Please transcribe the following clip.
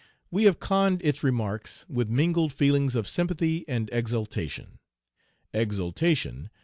We have conned its remarks with mingled feelings of sympathy and exultation. Exultation!